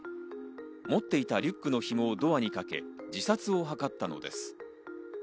持っていたリュックの紐をドアにかけ自殺を図ったのです。